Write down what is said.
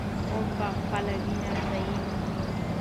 موږ به خپله وینه ضایع نه کړو.